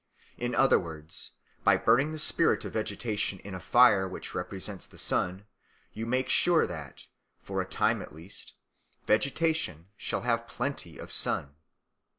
In other words, by burning the spirit of vegetation in a fire which represents the sun, you make sure that, for a time at least, vegetation shall have plenty of sun.